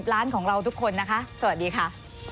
ร้านของเราทุกคนนะคะสวัสดีค่ะ